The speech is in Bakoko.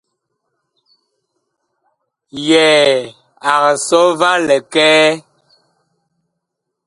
Yɛɛ ag sɔ va likɛɛ.